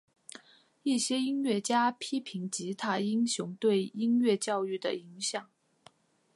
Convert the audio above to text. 一些音乐家批评吉他英雄对音乐教育的影响。